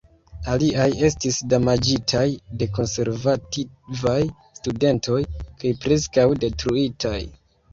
Aliaj estis damaĝitaj de konservativaj studentoj kaj preskaŭ detruitaj.